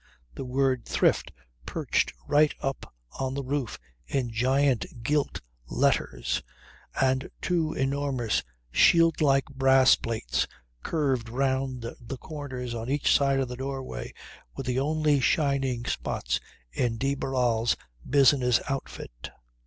The word THRIFT perched right up on the roof in giant gilt letters, and two enormous shield like brass plates curved round the corners on each side of the doorway were the only shining spots in de Barral's business outfit.